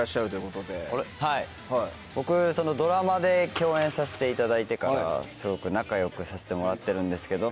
僕ドラマで共演させていただいてからすごく仲良くさせてもらってるんですけど。